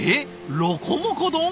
ロコモコ丼？